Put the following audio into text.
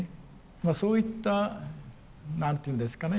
まあそういった何て言うんですかね